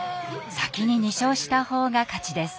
先に２勝した方が勝ちです。